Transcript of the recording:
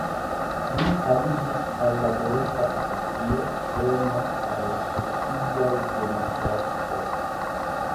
Li aliĝis al laborista asocio, krome al socialdemokratoj.